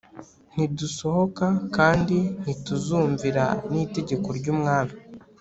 ntidusohoka kandi ntituzumvira n'itegeko ry'umwami